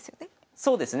そうですね。